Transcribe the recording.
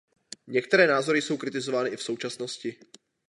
Některé názory jsou kritizovány i v současnosti.